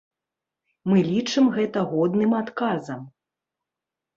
Мы лічым гэта годным адказам.